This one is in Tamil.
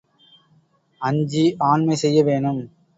அஞ்சி ஆண்மை செய்ய வேணும்.